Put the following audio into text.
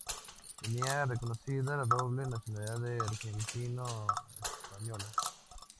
Tenía reconocida la doble nacionalidad argentino-española.